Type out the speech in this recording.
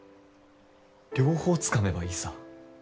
両方つかめばいいさ。